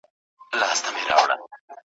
سپینو پلوشو یې باطل کړي منترونه دي